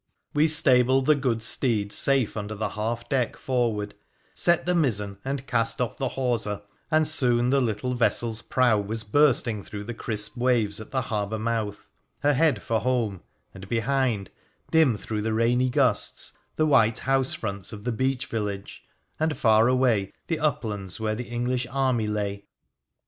We stabled the good steed safe under the half deck for ward, set the mizzen and cast off the hawser, and soon the little vessel's prow was bursting through the crisp waves at the harbour mouth, her head for home, and behind, dim through the rainy gusts, the white house fronts of the beach village, and far away the uplands where the English army lay.